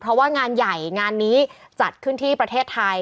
เพราะว่างานใหญ่งานนี้จัดขึ้นที่ประเทศไทย